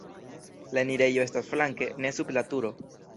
La enirejo estas flanke, ne sub la turo.